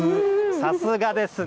さすがですね。